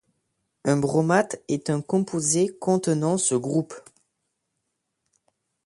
Un bromate est un composé contenant ce groupe.